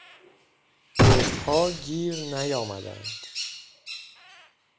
دزد ها گیر نیامدند